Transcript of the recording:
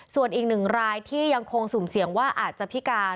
ส่วนอีกหนึ่งรายที่ยังคงสุ่มเสี่ยงว่าอาจจะพิการ